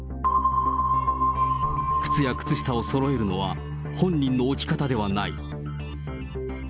靴や靴下をそろえるのは本人の置き方ではない。